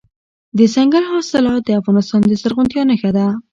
دځنګل حاصلات د افغانستان د زرغونتیا نښه ده.